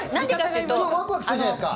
ワクワクするじゃないですか。